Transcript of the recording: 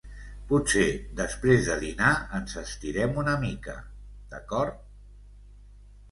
Potser després de dinar ens estirem una mica, d'acord?